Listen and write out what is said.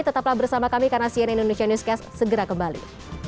tetaplah bersama kami karena cnn indonesia newscast segera kembali